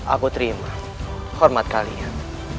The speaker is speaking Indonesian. aku terima hormat kalian